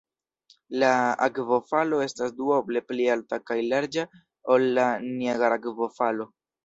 La akvofalo estas duoble pli alta kaj larĝa ol la Niagar-akvofalo.